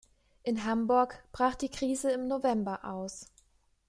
In Hamburg brach die Krise im November aus.